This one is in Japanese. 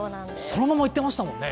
そのままいってましたもんね！？